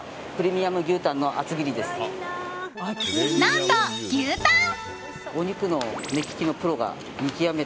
何と、牛タン！